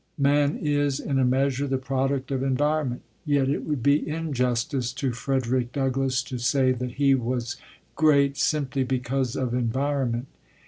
Man is, in a measure, the product of environment. Yet it would be injustice to Frederick Douglass to say that he was great simply because of environment.